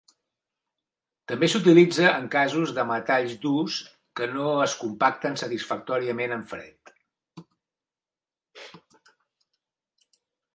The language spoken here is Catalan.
També s’utilitza en casos de metalls durs que no es compacten satisfactòriament en fred.